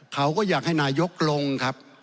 เขาก็อยากให้นายกลงครับ